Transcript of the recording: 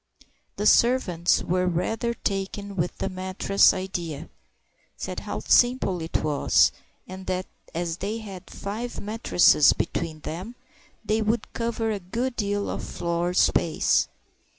The servants were rather taken with the mattress idea, said how simple it was, and that, as they had five mattresses between them, they would cover a good deal of floor space.